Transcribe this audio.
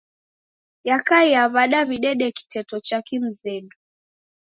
Yakaia w'ada w'idede kiteto cha kimzedu?